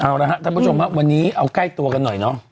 เอาละครับท่านผู้ชมครับวันนี้เอาใกล้ตัวกันหน่อยเนอะ